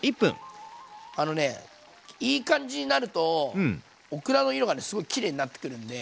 あのねいい感じになるとオクラの色がねすごいきれいになってくるんで。